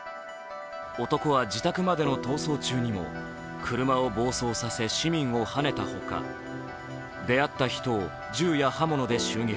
男は自宅までの逃走中にも車を暴走させ市民をはねたほか出会った人を銃や刃物で襲撃。